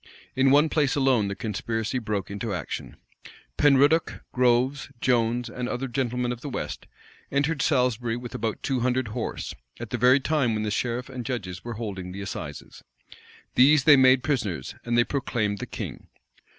In one place alone the conspiracy broke into action. Penruddoc, Groves, Jones, and other gentlemen of the west, entered Salisbury with about two hundred horse, at the very time when the sheriff and judges were holding the assizes. These they made prisoners; and they proclaimed the king.